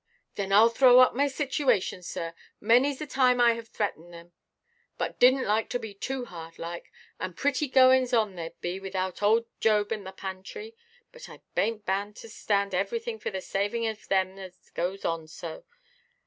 "Then Iʼll throw up my situation, sir. Manyʼs the time I have threatened them, but didnʼt like to be too hard like. And pretty goings on thereʼd be, without old Job in the pantry. But I bainʼt bound to stand everything for the saving of them as goes on so.